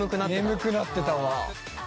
眠くなってたわ。